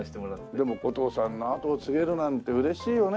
でもお父さんの後を継げるなんて嬉しいよね。